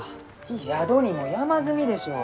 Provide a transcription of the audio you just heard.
宿にも山積みでしょう？